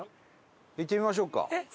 行ってみましょうか。